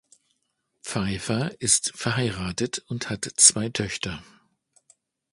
Pfeiffer ist verheiratet und hat zwei Töchter.